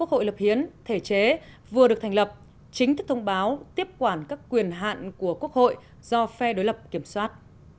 hội lập hiến thể chế vừa được thành lập chính thức thông báo tiếp quản các quyền hạn của quốc hội do phe đối lập kiểm soát